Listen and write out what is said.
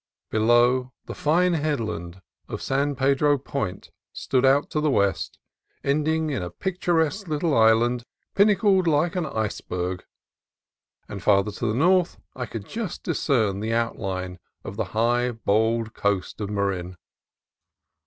Below, the fine headland of San Pedro Point stood out to the west, ending in a picturesque little island pinnacled like an iceberg; and farther to the north I could just discern the outline of the high, bold coast of Marin.